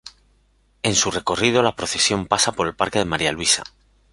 En su recorrido la procesión pasa por el parque de María Luisa.